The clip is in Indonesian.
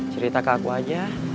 cerita ke aku saja